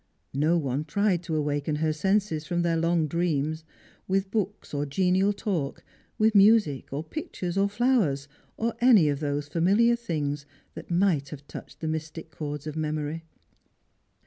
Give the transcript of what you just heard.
No (sne tried to awaken her senses from their long dream with books or genial talk, with music, or pictures, or flowers, or any of those familiar things that might have touched the mystic chords of memory.